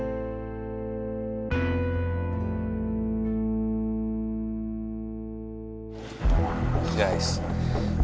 sekarang kita gimana